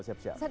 ini ada air